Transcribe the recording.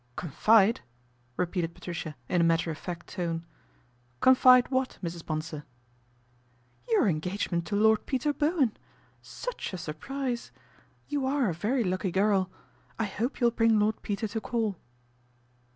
Confide !" repeated Patricia in a matter of fact tone. " Confide what, Mrs. Bonsor ?" 1 Your engagement to Lord Peter Bowen. Such a surprise. You're a very lucky girl. I hope you'll bring Lord Peter to call."